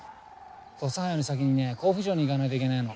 土佐藩より先にね甲府城に行かないといけないの。